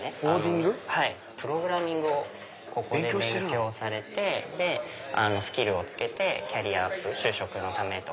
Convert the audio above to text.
プログラミングをここで勉強されてスキルを付けてキャリアアップ就職のためとか。